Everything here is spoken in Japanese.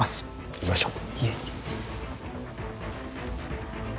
行きましょう。